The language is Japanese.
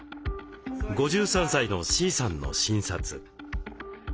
５３歳のＣさんの診察。